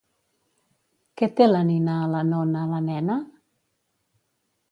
Què té la nina a la nona, la nena?